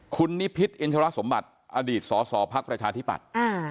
คุณนิพิษอินทรรศสมบัติอดีตสสพรรคประชาธิบัติ